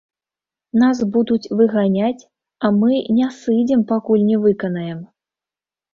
Нас будуць выганяць, а мы не сыдзем пакуль не выканаем!